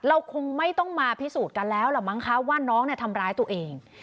เราคงไม่ต้องมาพิสูจน์กันแล้วล่ะมั้งคะว่าน้องเนี่ยทำร้ายตัวเอง